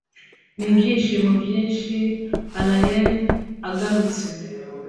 n'ibyishimo byinshi allayne agarutse.